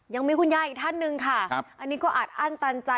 ยังมีคุณยายอีกท่านหนึ่งค่ะอันนี้ก็อัดอั้นตันใจ